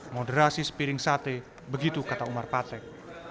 moderasi sepiring sate begitu kata umar pateng